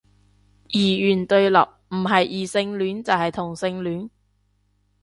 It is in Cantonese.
二元對立，唔係異性戀就係同性戀